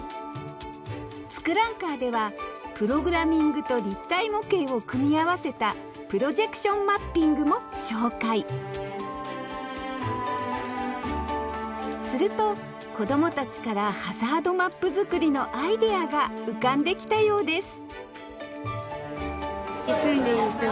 「ツクランカー」ではプログラミングと立体模型を組み合わせたプロジェクションマッピングも紹介すると子供たちからハザードマップ作りのアイデアが浮かんできたようです